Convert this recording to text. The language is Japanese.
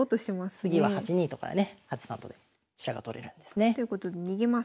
次は８二と金からね８三と金で飛車が取れるんですね。ということで逃げます。